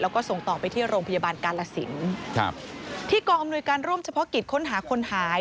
แล้วก็ส่งต่อไปที่โรงพยาบาลกาลสินครับที่กองอำนวยการร่วมเฉพาะกิจค้นหาคนหาย